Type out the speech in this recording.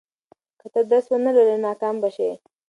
که ته درس ونه لولې، نو ناکام به شې.